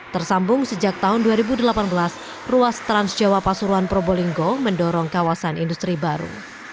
tersambung sejak tahun dua ribu delapan belas ruas transjawa pasuruan probolinggo mendorong kawasan industri baru